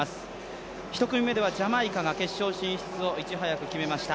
１組目ではジャマイカが決勝進出をいち早く決めました。